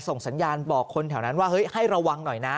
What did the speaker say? ส่งสัญญาณบอกคนแถวนั้นว่าเฮ้ยให้ระวังหน่อยนะ